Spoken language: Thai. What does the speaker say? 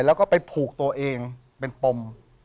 แล้วก็ไปผูกตัวเองเป็นปม